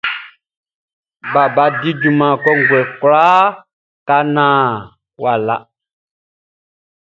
Baba di junman kɔnguɛ kwlaa ka naan wʼa la.